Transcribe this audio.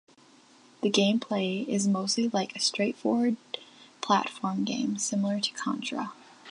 The gameplay is mostly like a straightforward platform game, similar to "Contra".